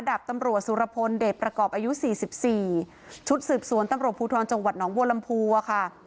ดาบตำรวจสุรพลเดชประกอบอายุสี่สิบสี่ชุดสืบสวนตำรวจภูทรจังหวัดหนองบัวลำพูอะค่ะ